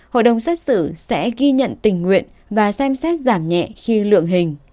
hội đồng xét xử sẽ ghi nhận tình nguyện và xem xét giảm nhẹ khi lượng hình